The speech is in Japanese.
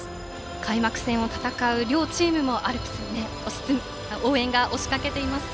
開幕戦を戦う両チームもアルプスに応援が押しかけていますね。